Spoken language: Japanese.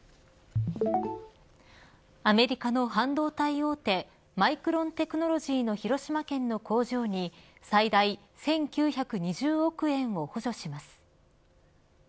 アメリカの半導体大手マイクロン・テクノロジーの広島県の工場に最大１９２０億円を補助します。